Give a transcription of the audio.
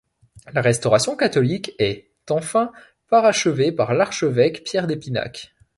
La restauration catholique est, enfin, parachevée par l'archevêque Pierre d'Épinac.